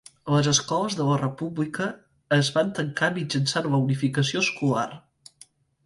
Les escoles de la república és van tancar mitjançant la unificació escolar.